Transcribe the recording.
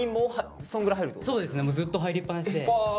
そうですねずっと入りっぱなしで。